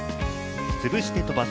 つぶして飛ばす。